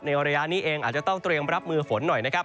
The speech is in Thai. ระยะนี้เองอาจจะต้องเตรียมรับมือฝนหน่อยนะครับ